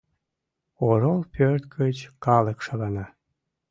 Орол пӧрт гыч калык шалана.